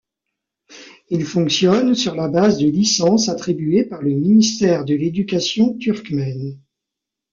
Ils fonctionnent sur la base de licences attribuées par le ministère de l'Éducation turkmène.